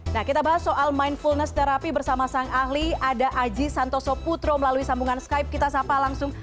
nah kita bahas soal mindfulness terapi bersama sang ahli ada aji santoso putro melalui sambungan skype kita sapa langsung